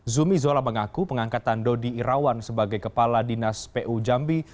zumi zola mengaku pengangkatan dodi irawan sebagai kepala dinas pu jambi